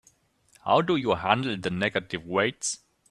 How do you handle the negative weights?